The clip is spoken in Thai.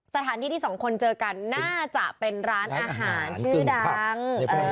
สถานที่ที่สองคนเจอกันน่าจะเป็นร้านอาหารชื่อดัง